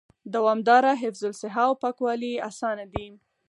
دوامدار حفظ الصحه او پاکوالي آسانه دي